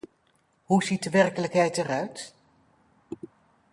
Hoe ziet de werkelijkheid eruit?